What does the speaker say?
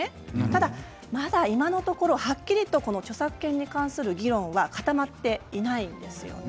ただ今のところ、はっきりとこの著作権に関する議論は固まっていないんです。